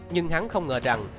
nhưng hắn không ngờ rằng